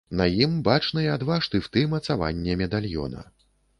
На ім бачныя два штыфты мацавання медальёна.